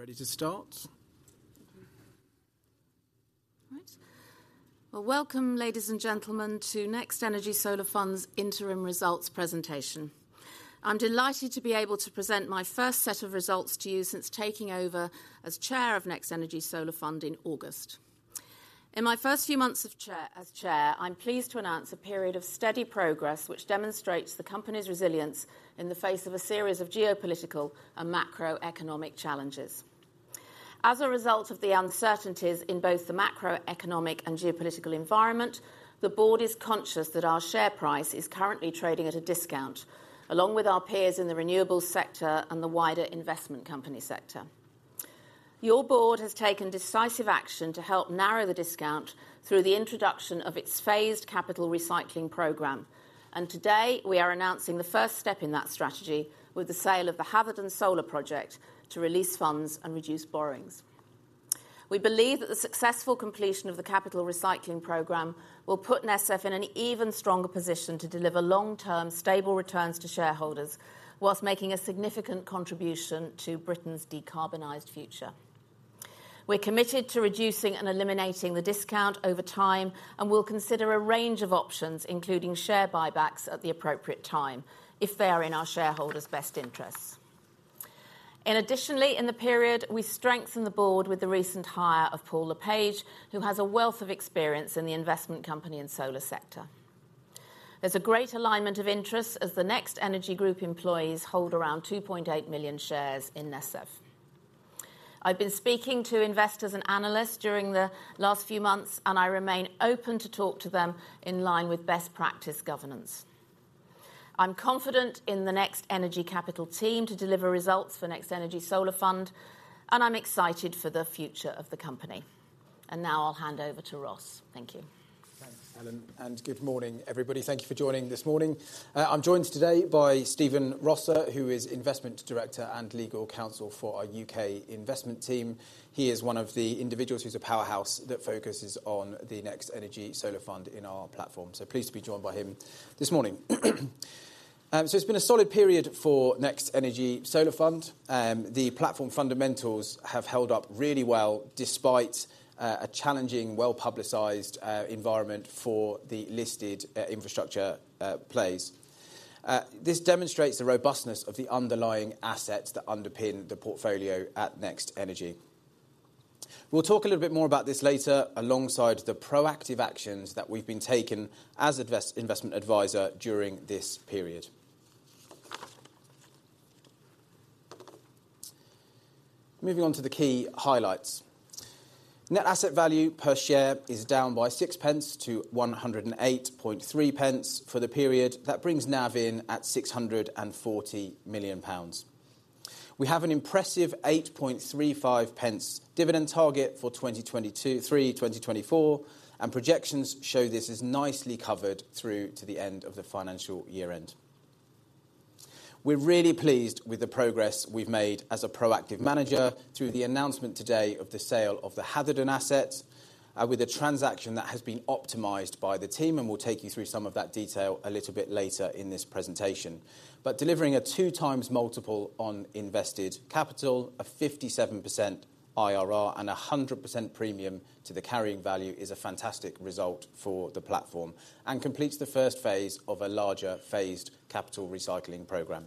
We're ready to start? All right. Well, welcome, ladies and gentlemen, to NextEnergy Solar Fund's interim results presentation. I'm delighted to be able to present my first set of results to you since taking over as Chair of NextEnergy Solar Fund in August. In my first few months as chair, I'm pleased to announce a period of steady progress, which demonstrates the company's resilience in the face of a series of geopolitical and macroeconomic challenges. As a result of the uncertainties in both the macroeconomic and geopolitical environment, the board is conscious that our share price is currently trading at a discount, along with our peers in the renewables sector and the wider investment company sector. Your board has taken decisive action to help narrow the discount through the introduction of its phased capital recycling program, and today, we are announcing the first step in that strategy with the sale of the Hatherden Solar project to release funds and reduce borrowings. We believe that the successful completion of the capital recycling program will put NESF in an even stronger position to deliver long-term, stable returns to shareholders, while making a significant contribution to Britain's decarbonized future. We're committed to reducing and eliminating the discount over time, and we'll consider a range of options, including share buybacks, at the appropriate time if they are in our shareholders' best interests. Additionally, in the period, we strengthened the board with the recent hire of Paul Le Page, who has a wealth of experience in the investment company and solar sector. There's a great alignment of interests, as the NextEnergy Group employees hold around 2.8 million shares in NESF. I've been speaking to investors and analysts during the last few months, and I remain open to talk to them in line with best practice governance. I'm confident in the NextEnergy Capital team to deliver results for NextEnergy Solar Fund, and I'm excited for the future of the company. And now I'll hand over to Ross. Thank you. Thanks, Helen, and good morning, everybody. Thank you for joining this morning. I'm joined today by Stephen Rosser, who is Investment Director and Legal Counsel for our U.K. investment team. He is one of the individuals who's a powerhouse that focuses on the NextEnergy Solar Fund in our platform, so pleased to be joined by him this morning. So it's been a solid period for NextEnergy Solar Fund. The platform fundamentals have held up really well, despite a challenging, well-publicized environment for the listed infrastructure plays. This demonstrates the robustness of the underlying assets that underpin the portfolio at NextEnergy. We'll talk a little bit more about this later, alongside the proactive actions that we've been taking as investment advisor during this period. Moving on to the key highlights. Net asset value per share is down by 0.06 to 1.083 for the period. That brings NAV in at 640 million pounds. We have an impressive 0.0835 pence dividend target for 2022, 2023, 2024, and projections show this is nicely covered through to the end of the financial year end. We're really pleased with the progress we've made as a proactive manager through the announcement today of the sale of the Hatherden asset, with a transaction that has been optimized by the team, and we'll take you through some of that detail a little bit later in this presentation. But delivering a 2x multiple on invested capital, a 57% IRR, and a 100% premium to the carrying value, is a fantastic result for the platform and completes the first phase of a larger phased capital recycling program.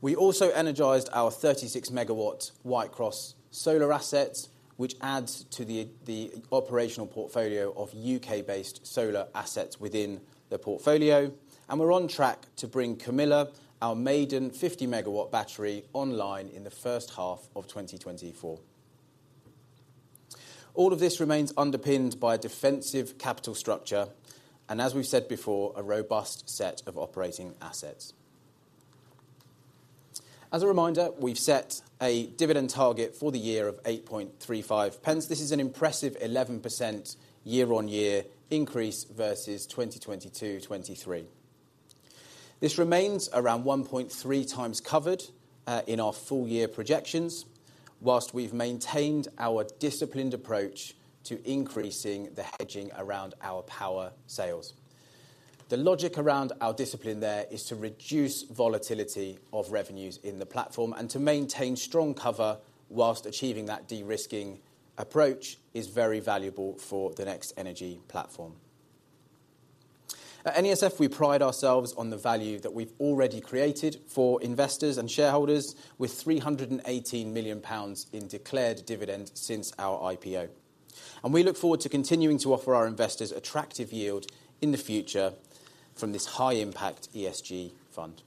We also energized our 36 MW Whitecross solar assets, which adds to the operational portfolio of U.K.-based solar assets within the portfolio, and we're on track to bring Camilla, our maiden 50-MW battery, online in the first half of 2024. All of this remains underpinned by a defensive capital structure, and as we've said before, a robust set of operating assets. As a reminder, we've set a dividend target for the year of 0.0835. This is an impressive 11% year-on-year increase versus 2022-23. This remains around 1.3x covered in our full year projections, while we've maintained our disciplined approach to increasing the hedging around our power sales. The logic around our discipline there is to reduce volatility of revenues in the platform and to maintain strong cover, while achieving that de-risking approach, is very valuable for the NextEnergy platform. At NESF, we pride ourselves on the value that we've already created for investors and shareholders, with 318 million pounds in declared dividend since our IPO. We look forward to continuing to offer our investors attractive yield in the future from this high-impact ESG fund.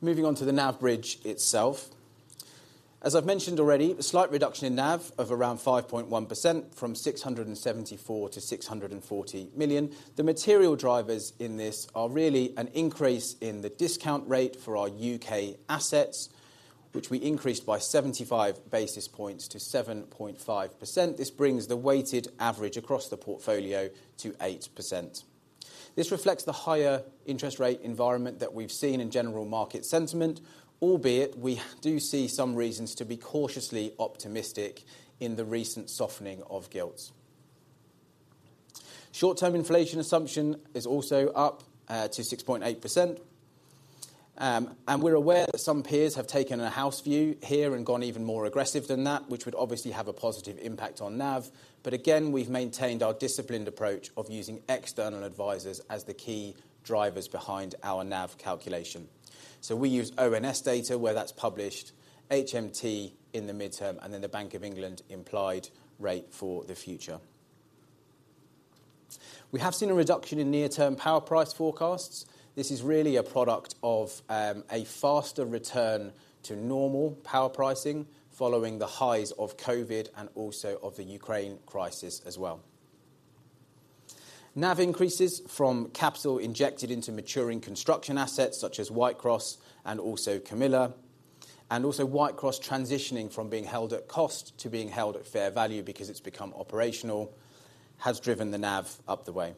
Moving on to the NAV bridge itself. As I've mentioned already, a slight reduction in NAV of around 5.1% from 674 million to 640 million. The material drivers in this are really an increase in the discount rate for our U.K. assets, which we increased by 75 basis points to 7.5%. This brings the weighted average across the portfolio to 8%. This reflects the higher interest rate environment that we've seen in general market sentiment, albeit we do see some reasons to be cautiously optimistic in the recent softening of gilts.... Short-term inflation assumption is also up to 6.8%. And we're aware that some peers have taken a house view here and gone even more aggressive than that, which would obviously have a positive impact on NAV. But again, we've maintained our disciplined approach of using external advisors as the key drivers behind our NAV calculation. So we use ONS data, where that's published, HMT in the midterm, and then the Bank of England implied rate for the future. We have seen a reduction in near-term power price forecasts. This is really a product of, a faster return to normal power pricing following the highs of COVID and also of the Ukraine crisis as well. NAV increases from capital injected into maturing construction assets, such as Whitecross and also Camilla, and also Whitecross transitioning from being held at cost to being held at fair value because it's become operational, has driven the NAV up the way.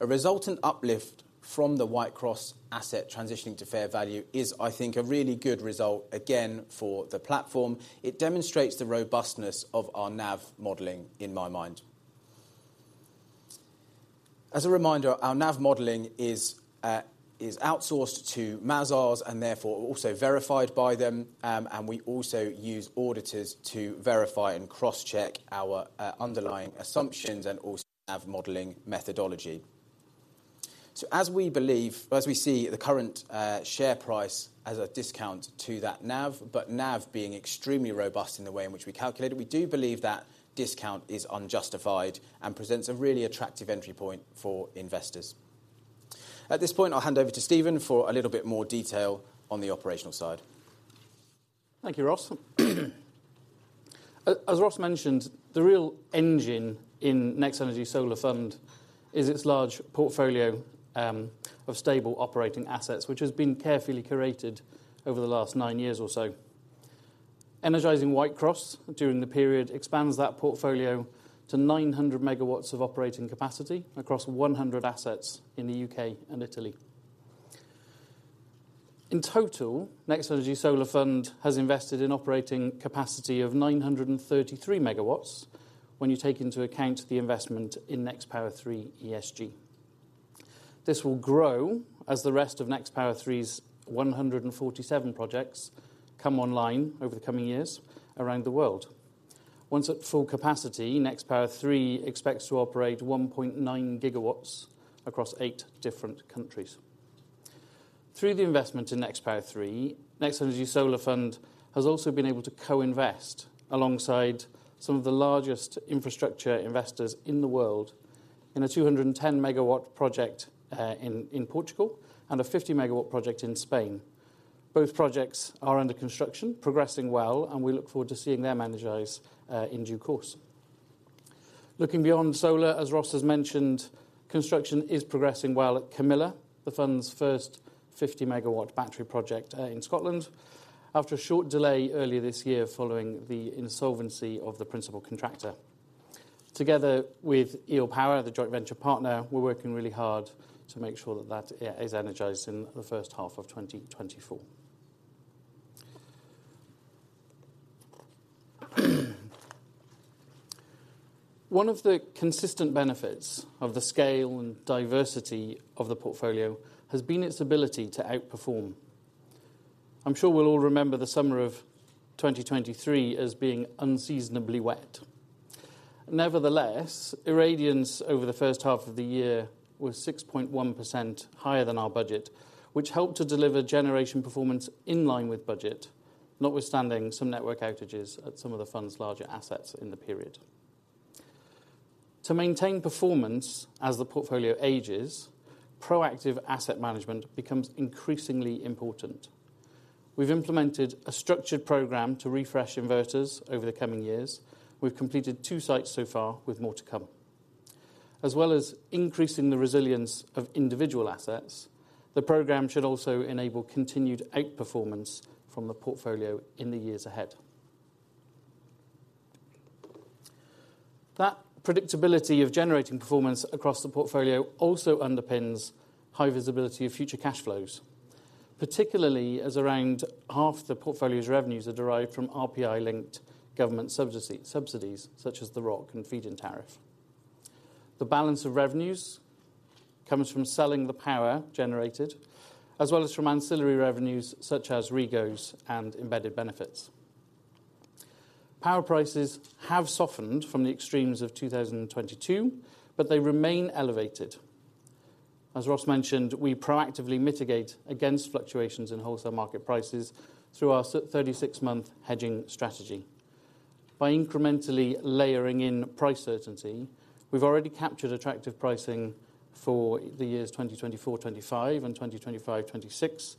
A resultant uplift from the Whitecross asset transitioning to fair value is, I think, a really good result, again, for the platform. It demonstrates the robustness of our NAV modeling, in my mind. As a reminder, our NAV modeling is outsourced to Mazars and therefore also verified by them, and we also use auditors to verify and cross-check our underlying assumptions and also NAV modeling methodology. So as we believe or as we see the current share price as a discount to that NAV, but NAV being extremely robust in the way in which we calculate it, we do believe that discount is unjustified and presents a really attractive entry point for investors. At this point, I'll hand over to Stephen for a little bit more detail on the operational side. Thank you, Ross. As, as Ross mentioned, the real engine in NextEnergy Solar Fund is its large portfolio, of stable operating assets, which has been carefully curated over the last 9 years or so. Energizing Whitecross during the period expands that portfolio to 900 MW of operating capacity across 100 assets in the U.K. and Italy. In total, NextEnergy Solar Fund has invested in operating capacity of 933 MW when you take into account the investment in NextPower III ESG. This will grow as the rest of NextPower III ESG's 147 projects come online over the coming years around the world. Once at full capacity, NextPower III ESG expects to operate 1.9 GW across 8 different countries. Through the investment in NextPower III, NextEnergy Solar Fund has also been able to co-invest alongside some of the largest infrastructure investors in the world in a 210 MW project in Portugal and a 50 MW project in Spain. Both projects are under construction, progressing well, and we look forward to seeing them energize in due course. Looking beyond solar, as Ross has mentioned, construction is progressing well at Camilla, the fund's first 50-MW battery project in Scotland, after a short delay earlier this year, following the insolvency of the principal contractor. Together with Eelpower, the joint venture partner, we're working really hard to make sure that is energized in the first half of 2024. One of the consistent benefits of the scale and diversity of the portfolio has been its ability to outperform. I'm sure we'll all remember the summer of 2023 as being unseasonably wet. Nevertheless, irradiance over the first half of the year was 6.1% higher than our budget, which helped to deliver generation performance in line with budget, notwithstanding some network outages at some of the fund's larger assets in the period. To maintain performance as the portfolio ages, proactive asset management becomes increasingly important. We've implemented a structured program to refresh inverters over the coming years. We've completed two sites so far, with more to come. As well as increasing the resilience of individual assets, the program should also enable continued outperformance from the portfolio in the years ahead. That predictability of generating performance across the portfolio also underpins high visibility of future cash flows, particularly as around half the portfolio's revenues are derived from RPI-linked government subsidies, such as the ROC and feed-in tariff. The balance of revenues comes from selling the power generated, as well as from ancillary revenues such as REGOs and embedded benefits. Power prices have softened from the extremes of 2022, but they remain elevated. As Ross mentioned, we proactively mitigate against fluctuations in wholesale market prices through our 36-month hedging strategy. By incrementally layering in price certainty, we've already captured attractive pricing for the years 2024/2025 and 2025/2026,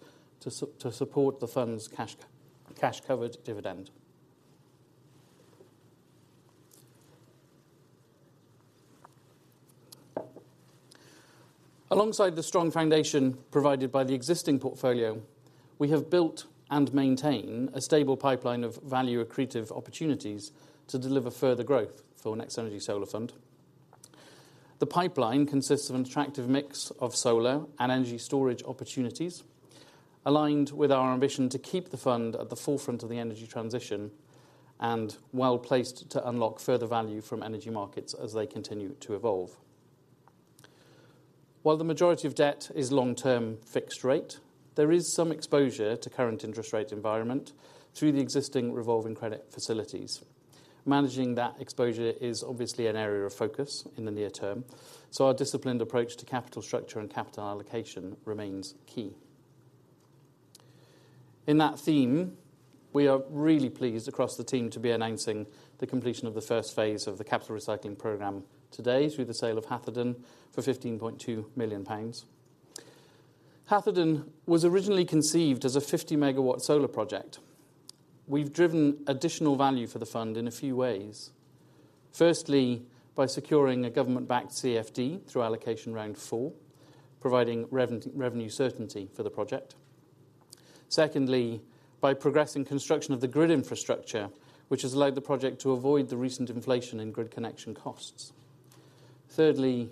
to support the fund's cash covered dividend. Alongside the strong foundation provided by the existing portfolio, we have built and maintained a stable pipeline of value accretive opportunities to deliver further growth for NextEnergy Solar Fund. The pipeline consists of an attractive mix of solar and energy storage opportunities, aligned with our ambition to keep the fund at the forefront of the energy transition and well-placed to unlock further value from energy markets as they continue to evolve. While the majority of debt is long-term fixed rate, there is some exposure to current interest rate environment through the existing revolving credit facilities. Managing that exposure is obviously an area of focus in the near term, so our disciplined approach to capital structure and capital allocation remains key. In that theme, we are really pleased across the team to be announcing the completion of the first phase of the capital recycling program today through the sale of Hatherden for 15.2 million pounds. Hatherden was originally conceived as a 50 MW solar project. We've driven additional value for the fund in a few ways. Firstly, by securing a government-backed CFD through Allocation Round Four, providing revenue certainty for the project. Secondly, by progressing construction of the grid infrastructure, which has allowed the project to avoid the recent inflation in grid connection costs. Thirdly,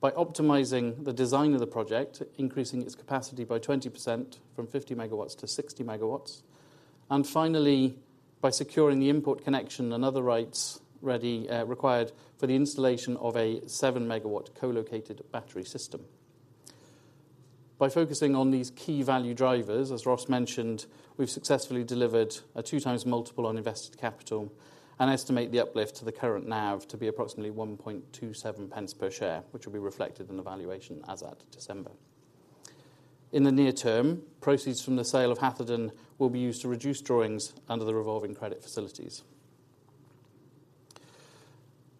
by optimizing the design of the project, increasing its capacity by 20% from 50 MW to 60 MW, and finally, by securing the import connection and other rights ready, required for the installation of a 7 MW co-located battery system. By focusing on these key value drivers, as Ross mentioned, we've successfully delivered a 2x multiple on invested capital and estimate the uplift to the current NAV to be approximately 0.0127 per share, which will be reflected in the valuation as at December. In the near term, proceeds from the sale of Hatherden will be used to reduce drawings under the revolving credit facilities.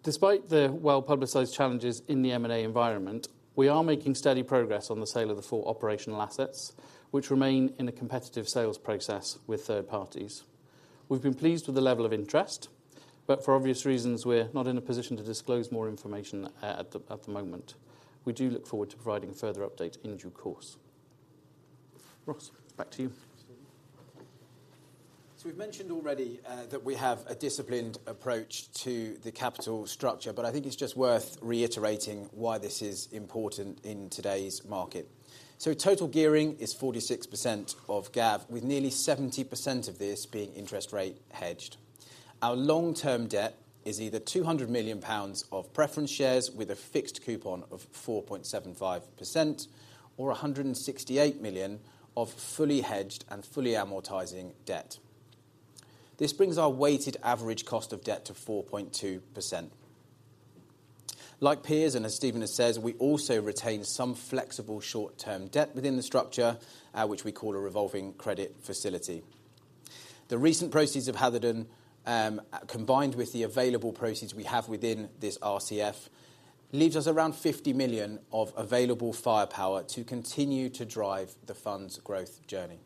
Despite the well-publicized challenges in the M&A environment, we are making steady progress on the sale of the four operational assets, which remain in a competitive sales process with third parties. We've been pleased with the level of interest, but for obvious reasons, we're not in a position to disclose more information at the moment. We do look forward to providing a further update in due course. Ross, back to you. So we've mentioned already, that we have a disciplined approach to the capital structure, but I think it's just worth reiterating why this is important in today's market. Total gearing is 46% of GAV, with nearly 70% of this being interest rate hedged. Our long-term debt is either 200 million pounds of preference shares, with a fixed coupon of 4.75%, or 168 million of fully hedged and fully amortizing debt. This brings our weighted average cost of debt to 4.2%. Like peers, and as Stephen has said, we also retain some flexible short-term debt within the structure, which we call a revolving credit facility. The recent proceeds of Hatherden, combined with the available proceeds we have within this RCF, leaves us around 50 million of available firepower to continue to drive the fund's growth journey.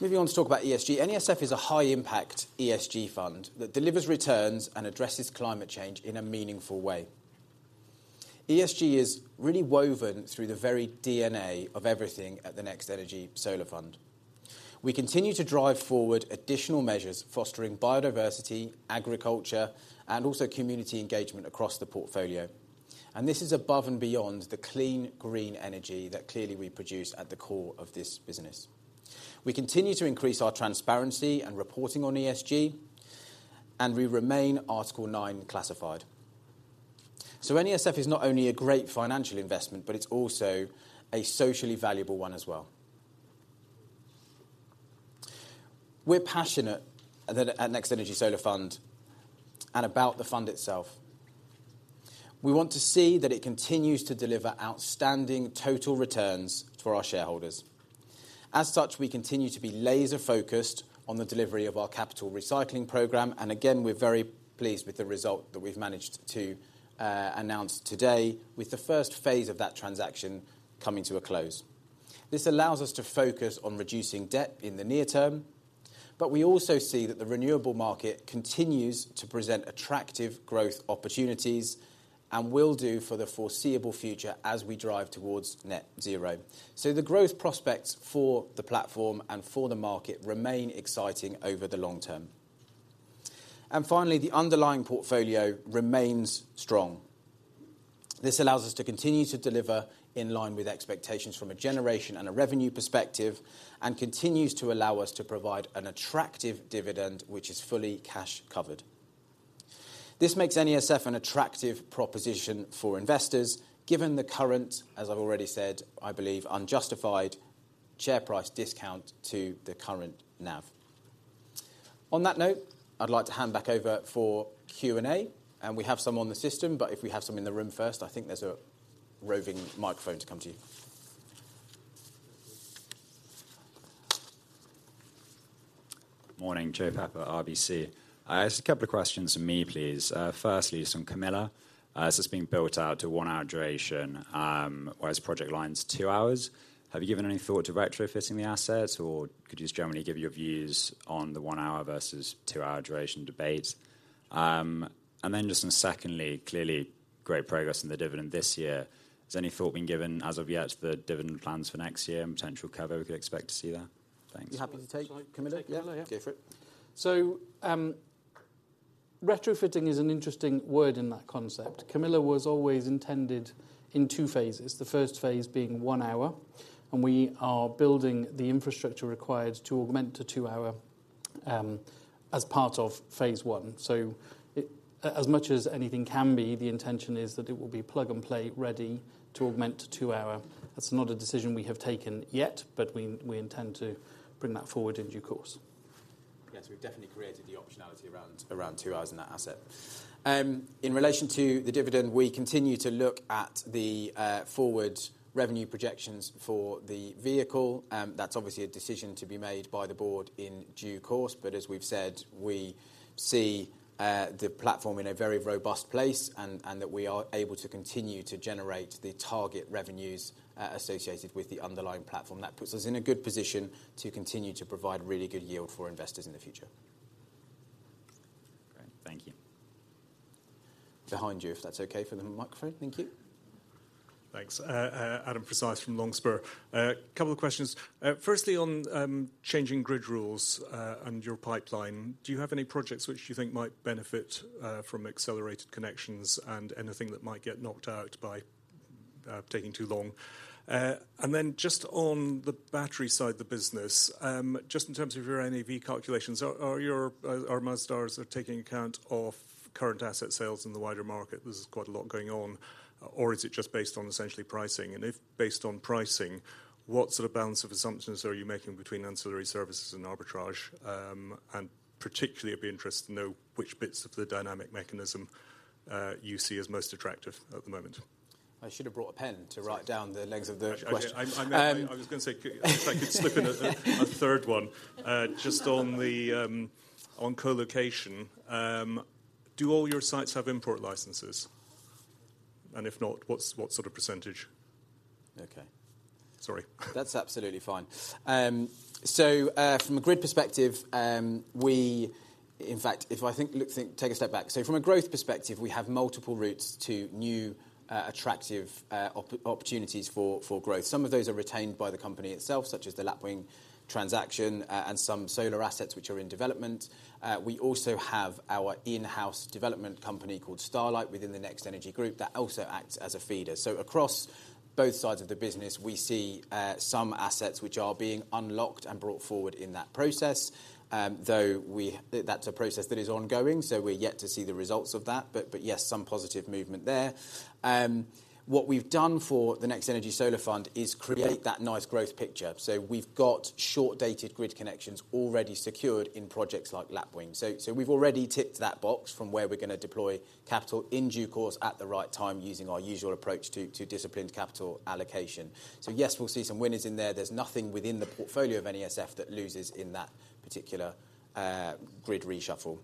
Moving on to talk about ESG. NESF is a high-impact ESG fund that delivers returns and addresses climate change in a meaningful way. ESG is really woven through the very DNA of everything at the NextEnergy Solar Fund. We continue to drive forward additional measures, fostering biodiversity, agriculture, and also community engagement across the portfolio, and this is above and beyond the clean, green energy that clearly we produce at the core of this business. We continue to increase our transparency and reporting on ESG, and we remain Article 9 classified. So NESF is not only a great financial investment, but it's also a socially valuable one as well. We're passionate at NextEnergy Solar Fund and about the fund itself. We want to see that it continues to deliver outstanding total returns for our shareholders. As such, we continue to be laser focused on the delivery of our capital recycling program, and again, we're very pleased with the result that we've managed to announce today with the first phase of that transaction coming to a close. This allows us to focus on reducing debt in the near term, but we also see that the renewable market continues to present attractive growth opportunities and will do for the foreseeable future as we drive towards net zero. So the growth prospects for the platform and for the market remain exciting over the long term. And finally, the underlying portfolio remains strong. This allows us to continue to deliver in line with expectations from a generation and a revenue perspective, and continues to allow us to provide an attractive dividend, which is fully cash covered. This makes NESF an attractive proposition for investors, given the current, as I've already said, I believe, unjustified share price discount to the current NAV. On that note, I'd like to hand back over for Q&A, and we have some on the system, but if we have some in the room first, I think there's a roving microphone to come to you. Good morning. John Musk, RBC. I just a couple of questions from me, please. Firstly, it's on Camilla. This has been built out to one-hour duration, whereas project pipeline is two hours. Have you given any thought to retrofitting the assets, or could you just generally give your views on the one-hour versus two-hour duration debate? And then just secondly, clearly great progress in the dividend this year. Has any thought been given as of yet to the dividend plans for next year and potential cover we could expect to see there? Thanks. You happy to take Camilla? Yeah, go for it. So, retrofitting is an interesting word in that concept. Camilla was always intended in two phases, the first phase being one hour, and we are building the infrastructure required to augment to two hour, as part of phase one. So it, as much as anything can be, the intention is that it will be plug-and-play ready to augment to two hour. That's not a decision we have taken yet, but we, we intend to bring that forward in due course. Yes, we've definitely created the optionality around two hours in that asset. In relation to the dividend, we continue to look at the forward revenue projections for the vehicle. That's obviously a decision to be made by the board in due course, but as we've said, we see the platform in a very robust place and that we are able to continue to generate the target revenues associated with the underlying platform. That puts us in a good position to continue to provide really good yield for investors in the future. Great, thank you. Behind you, if that's okay for the microphone. Thank you. Thanks. Adam Sheridan from Longspur. A couple of questions. Firstly, on changing grid rules and your pipeline, do you have any projects which you think might benefit from accelerated connections and anything that might get knocked out by taking too long? And then just on the battery side of the business, just in terms of your NAV calculations, are Mazars taking account of current asset sales in the wider market? There's quite a lot going on, or is it just based on essentially pricing? And if based on pricing, what sort of balance of assumptions are you making between ancillary services and arbitrage? And particularly, it'd be interesting to know which bits of the Dynamic Containment you see as most attractive at the moment. I should have brought a pen to write down the legs of the question. I was gonna say, if I could slip in a third one. Just on co-location, do all your sites have import licenses? And if not, what's - what sort of percentage? Okay. Sorry. That's absolutely fine. So, from a grid perspective, we... In fact, if I think, look, think, take a step back. So from a growth perspective, we have multiple routes to new, attractive opportunities for growth. Some of those are retained by the company itself, such as the Lapwing transaction, and some solar assets which are in development. We also have our in-house development company called Starlight within the NextEnergy Group that also acts as a feeder. So across both sides of the business, we see some assets which are being unlocked and brought forward in that process, though we, that's a process that is ongoing, so we're yet to see the results of that. But yes, some positive movement there. What we've done for the NextEnergy Solar Fund is create that nice growth picture. So we've got short-dated grid connections already secured in projects like Lapwing. So we've already ticked that box from where we're gonna deploy capital in due course, at the right time, using our usual approach to disciplined capital allocation. So yes, we'll see some winners in there. There's nothing within the portfolio of NESF that loses in that particular grid reshuffle.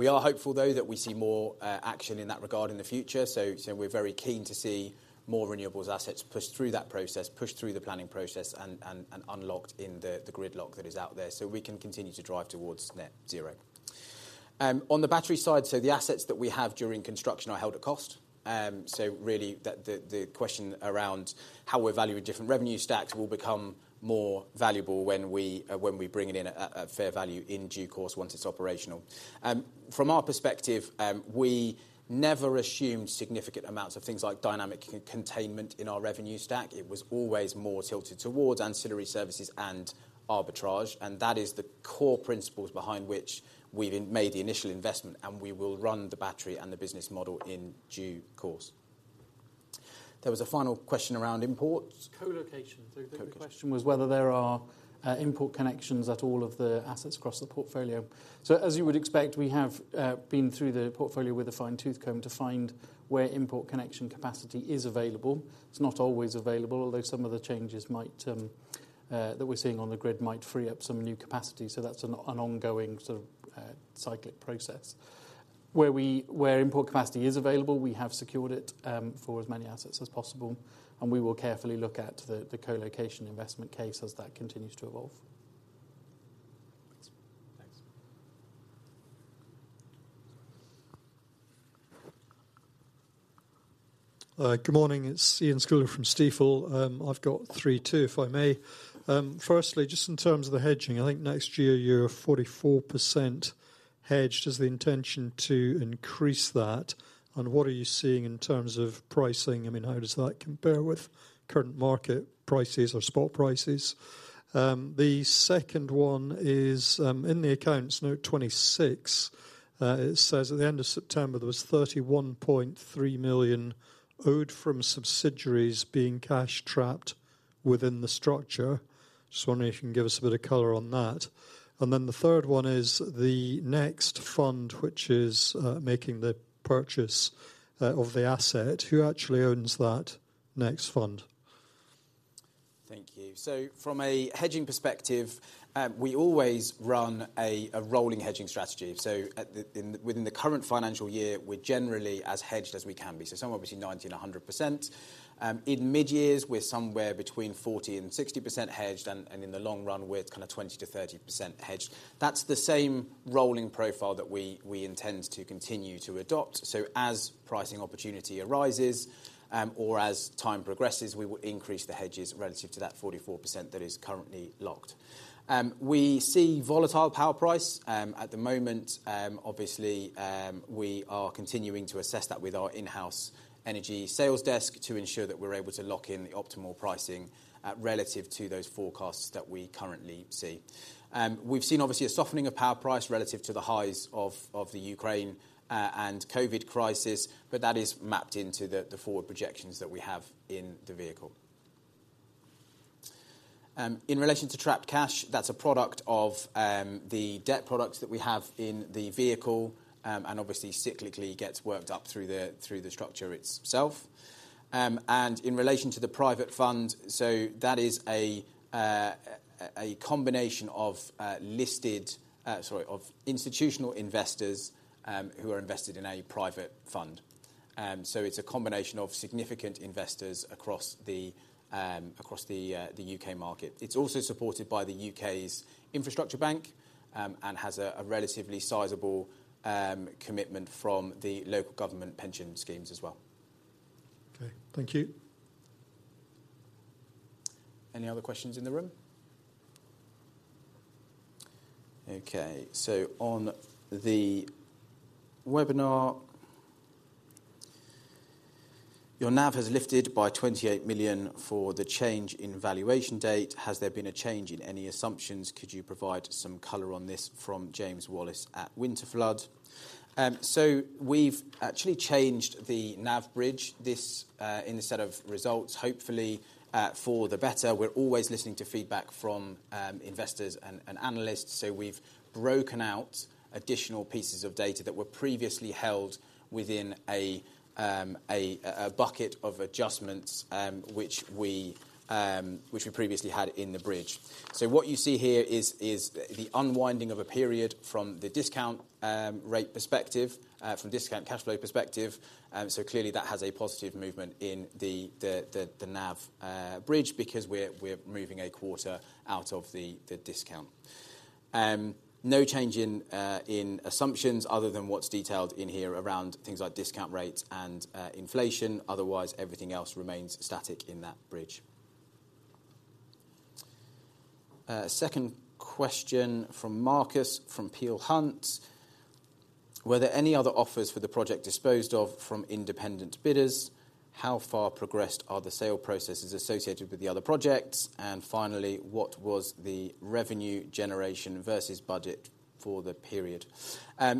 We are hopeful, though, that we see more action in that regard in the future. So we're very keen to see more renewables assets pushed through that process, pushed through the planning process and unlocked in the gridlock that is out there, so we can continue to drive towards net zero. On the battery side, so the assets that we have during construction are held at cost. So really, the question around how we value different revenue stacks will become more valuable when we bring it in at a fair value in due course, once it's operational. From our perspective, we never assumed significant amounts of things like Dynamic Containment in our revenue stack. It was always more tilted towards ancillary services and arbitrage, and that is the core principles behind which we've made the initial investment, and we will run the battery and the business model in due course. There was a final question around imports. Co-location. Co-location. So the question was whether there are import connections at all of the assets across the portfolio. So as you would expect, we have been through the portfolio with a fine-tooth comb to find where import connection capacity is available. It's not always available, although some of the changes that we're seeing on the grid might free up some new capacity, so that's an ongoing sort of cyclic process. Where import capacity is available, we have secured it for as many assets as possible, and we will carefully look at the co-location investment case as that continues to evolve. Thanks. Thanks. Good morning. It's Iain Scouller from Stifel. I've got three, too, if I may. Firstly, just in terms of the hedging, I think next year, you're 44% hedged. Is the intention to increase that, and what are you seeing in terms of pricing? I mean, how does that compare with current market prices or spot prices? The second one is, in the accounts, note 26, it says at the end of September, there was 31.3 million owed from subsidiaries being cash trapped within the structure. Just wondering if you can give us a bit of color on that. And then the third one is the next fund, which is, making the purchase, of the asset. Who actually owns that next fund? Thank you. So from a hedging perspective, we always run a rolling hedging strategy. So within the current financial year, we're generally as hedged as we can be, so somewhere between 90% and 100%. In mid-years, we're somewhere between 40% and 60% hedged, and in the long run, we're kind of 20%-30% hedged. That's the same rolling profile that we intend to continue to adopt. So as pricing opportunity arises, or as time progresses, we will increase the hedges relative to that 44% that is currently locked. We see volatile power price at the moment. Obviously, we are continuing to assess that with our in-house energy sales desk to ensure that we're able to lock in the optimal pricing relative to those forecasts that we currently see. We've seen obviously a softening of power price relative to the highs of the Ukraine and COVID crisis, but that is mapped into the forward projections that we have in the vehicle. In relation to trapped cash, that's a product of the debt products that we have in the vehicle, and obviously, cyclically gets worked up through the structure itself. In relation to the private fund, so that is a combination of listed—sorry, of institutional investors who are invested in a private fund. So it's a combination of significant investors across the U.K. market. It's also supported by the U.K. Infrastructure Bank and has a relatively sizable commitment from the local government pension schemes as well. Okay, thank you. Any other questions in the room? Okay, so on the webinar, "Your NAV has lifted by 28 million for the change in valuation date. Has there been a change in any assumptions? Could you provide some color on this?" from James Wallace at Winterflood. So we've actually changed the NAV bridge this in the set of results, hopefully, for the better. We're always listening to feedback from investors and analysts, so we've broken out additional pieces of data that were previously held within a bucket of adjustments, which we previously had in the bridge. So what you see here is the unwinding of a period from the discount rate perspective from discounted cash flow perspective. So clearly, that has a positive movement in the NAV bridge, because we're moving a quarter out of the discount. No change in assumptions other than what's detailed in here around things like discount rates and inflation. Otherwise, everything else remains static in that bridge. Second question from Markuz, from Peel Hunt: "Were there any other offers for the project disposed of from independent bidders? How far progressed are the sale processes associated with the other projects? And finally, what was the revenue generation versus budget for the period?"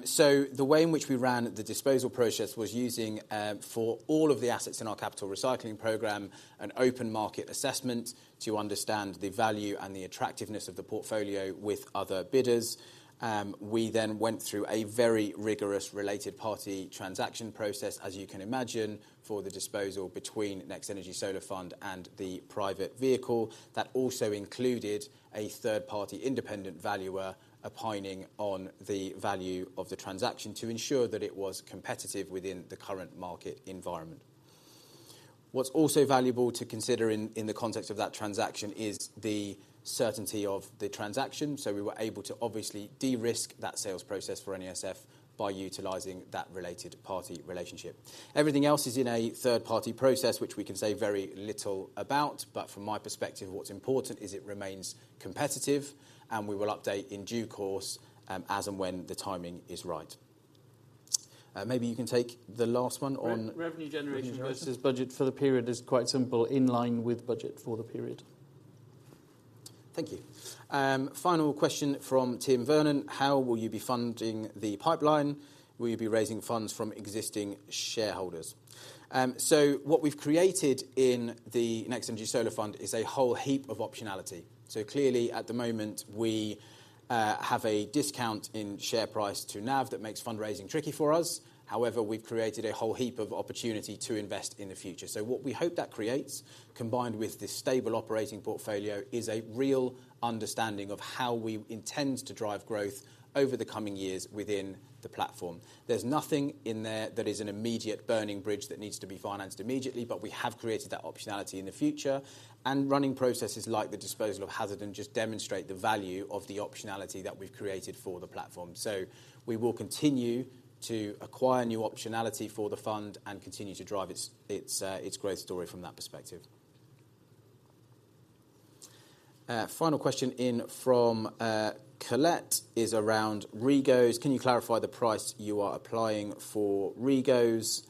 So the way in which we ran the disposal process was using, for all of the assets in our capital recycling program, an open market assessment to understand the value and the attractiveness of the portfolio with other bidders. We then went through a very rigorous related party transaction process, as you can imagine, for the disposal between NextEnergy Solar Fund and the private vehicle. That also included a third-party independent valuer opining on the value of the transaction to ensure that it was competitive within the current market environment. What's also valuable to consider in the context of that transaction is the certainty of the transaction. So we were able to obviously de-risk that sales process for NESF by utilizing that related party relationship. Everything else is in a third-party process, which we can say very little about, but from my perspective, what's important is it remains competitive, and we will update in due course, as and when the timing is right. Maybe you can take the last one on- Revenue generation versus budget for the period is quite simple, in line with budget for the period. Thank you. Final question from Tim Vernon: "How will you be funding the pipeline? Will you be raising funds from existing shareholders?" So what we've created in the NextEnergy Solar Fund is a whole heap of optionality. So clearly, at the moment, we have a discount in share price to NAV that makes fundraising tricky for us. However, we've created a whole heap of opportunity to invest in the future. So what we hope that creates, combined with this stable operating portfolio, is a real understanding of how we intend to drive growth over the coming years within the platform. There's nothing in there that is an immediate burning bridge that needs to be financed immediately, but we have created that optionality in the future. And running processes like the disposal of Hatherden and just demonstrate the value of the optionality that we've created for the platform. So we will continue to acquire new optionality for the fund and continue to drive its growth story from that perspective. Final question in from Colette is around REGOs. "Can you clarify the price you are applying for REGOs?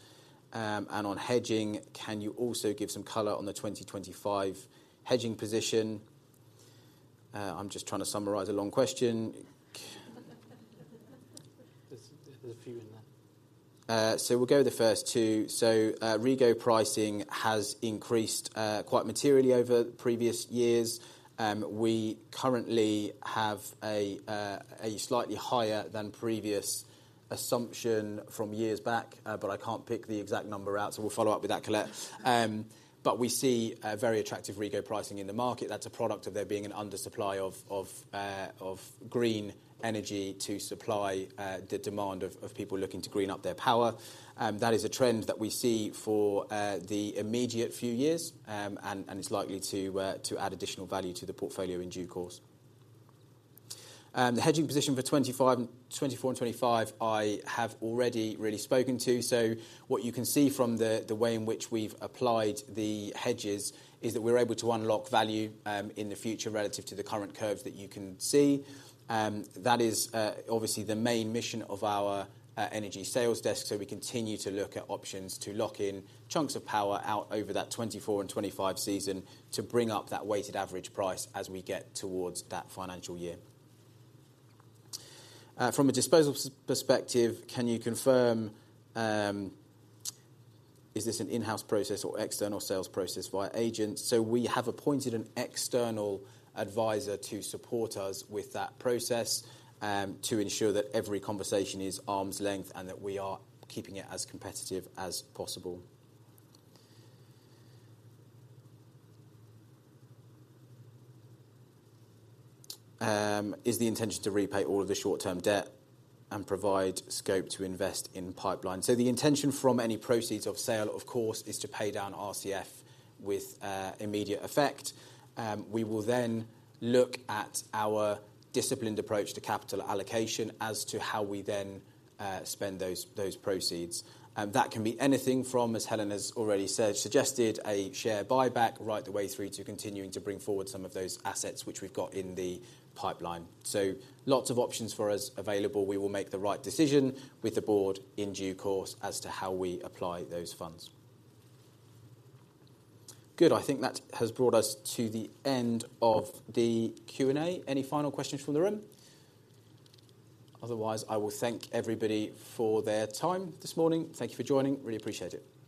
And on hedging, can you also give some color on the 2025 hedging position?" I'm just trying to summarize a long question. There's a few in there. So we'll go with the first two. So, REGO pricing has increased quite materially over the previous years. We currently have a slightly higher than previous assumption from years back, but I can't pick the exact number out, so we'll follow up with that, Colette. But we see a very attractive REGO pricing in the market. That's a product of there being an undersupply of, of, of green energy to supply the demand of, of people looking to green up their power. That is a trend that we see for the immediate few years, and, and it's likely to, to add additional value to the portfolio in due course. The hedging position for 2025--2024 and 2025, I have already really spoken to. So what you can see from the, the way in which we've applied the hedges is that we're able to unlock value, in the future relative to the current curves that you can see. That is, obviously the main mission of our, energy sales desk, so we continue to look at options to lock in chunks of power out over that 2024 and 2025 season to bring up that weighted average price as we get towards that financial year. From a disposal perspective, can you confirm, is this an in-house process or external sales process via agents? So we have appointed an external advisor to support us with that process, to ensure that every conversation is arm's length and that we are keeping it as competitive as possible. Is the intention to repay all of the short-term debt and provide scope to invest in pipeline? So the intention from any proceeds of sale, of course, is to pay down RCF with immediate effect. We will then look at our disciplined approach to capital allocation as to how we then spend those proceeds. That can be anything from, as Helen has already said, suggested, a share buyback, right the way through to continuing to bring forward some of those assets which we've got in the pipeline. So lots of options for us available. We will make the right decision with the board in due course as to how we apply those funds. Good. I think that has brought us to the end of the Q&A. Any final questions from the room? Otherwise, I will thank everybody for their time this morning. Thank you for joining. Really appreciate it.